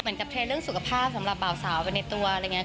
เหมือนกับเทลเรื่องสุขภาพสำหรับบ่าวสาวใบในตัวอะไรอย่างนี้